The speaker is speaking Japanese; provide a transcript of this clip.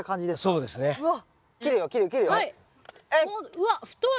うわっ太い！